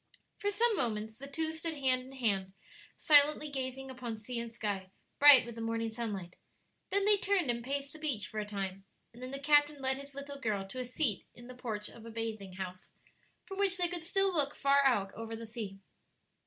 For some moments the two stood hand in hand silently gazing upon sea and sky, bright with the morning sunlight; then they turned and paced the beach for a time, and then the captain led his little girl to a seat in the porch of a bathing house, from which they could still look far out over the sea.